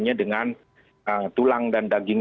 tentara tentara dengan tulang dan daging